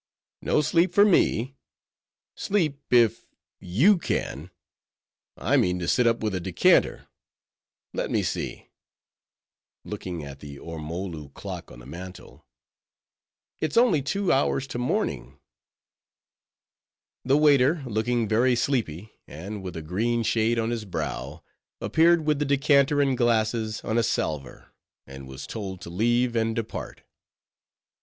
"No sleep for me! sleep if you can—I mean to sit up with a decanter!—let me see"—looking at the ormolu clock on the mantel—"it's only two hours to morning." The waiter, looking very sleepy, and with a green shade on his brow, appeared with the decanter and glasses on a salver, and was told to leave it and depart.